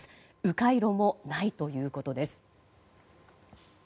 迂回路もないということです。